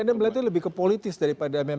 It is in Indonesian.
jadi anda melihatnya lebih ke politis daripada